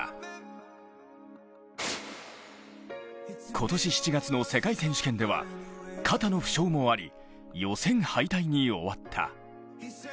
今年７月の世界選手権では肩の負傷もあり予選敗退に終わった。